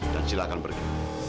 dan silahkan pergi